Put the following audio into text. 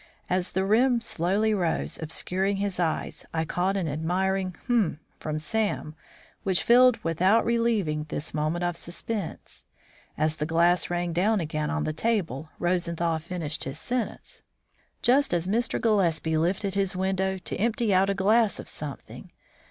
As the rim slowly rose, obscuring his eyes, I caught an admiring Hm! from Sam, which filled, without relieving, this moment of suspense. As the glass rang down again on the table, Rosenthal finished his sentence: " just as Mr. Gillespie lifted his window to empty out a glass of something.